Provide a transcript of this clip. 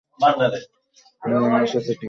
তিনি বাংলাদেশের সিটি কর্পোরেশনের প্রথম নারী মেয়র।